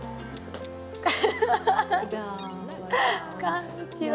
こんにちは。